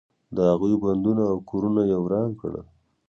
د هغوی بندونه او کورونه یې وران کړل.